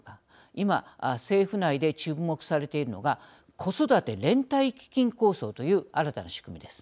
今、政府内で注目されているのが子育て連帯基金構想という新たな仕組みです。